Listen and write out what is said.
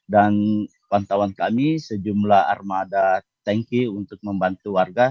dan pantauan kami sejumlah armada tanki untuk membantu warga